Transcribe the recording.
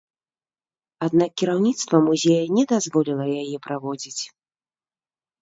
Аднак кіраўніцтва музея не дазволіла яе праводзіць.